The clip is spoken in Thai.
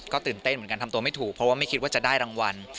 ตื่นเต้นเหมือนกันทำตัวไม่ถูกเพราะว่าไม่คิดว่าจะได้รางวัล